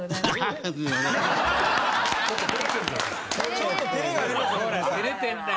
ちょっと照れがありますね。